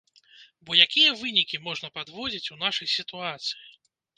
Бо якія вынікі можна падводзіць у нашай сітуацыі?